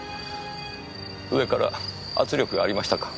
上から圧力がありましたか。